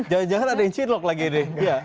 jangan jangan ada yang cilok lagi nih